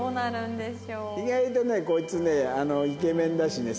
意外とねこいつねイケメンだしね